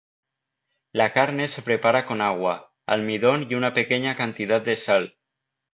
La carne se prepara con agua, almidón y una pequeña cantidad de sal.